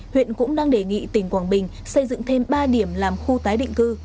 huyện cũng đang đề nghị tỉnh quảng bình xây dựng thêm ba điểm làm khu tái định cư